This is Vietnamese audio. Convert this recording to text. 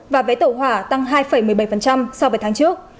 và vé tàu hỏa tăng hai một mươi bảy so với tháng trước